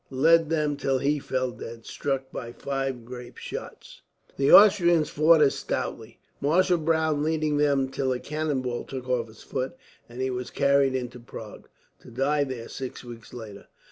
led them till he fell dead, struck by five grape shot. The Austrians fought as stoutly, Marshal Browne leading them till a cannonball took off his foot, and he was carried into Prague, to die there six weeks later.